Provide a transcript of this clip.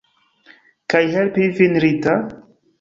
Kaj helpi vin, Rita?